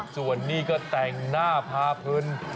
ส่วนนี้ก็แต่งหน้าพาเพลิน